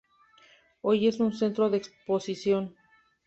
Hoy es un centro de exposición.